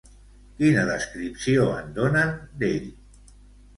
Quina descripció en donen d'ell?